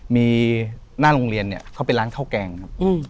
มีหน้าโรงเรียนเนี่ยเขาเป็นร้านข้าวแกงครับ